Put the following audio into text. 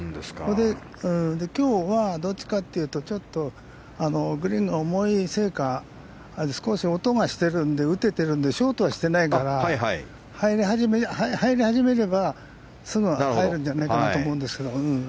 今日はどっちかというとちょっとグリーンが重いせいか少し音がしてるので打ててるのでショートはしてないから入り始めればすぐ入るんじゃないかなと思うんですが。